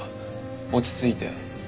落ち着いて。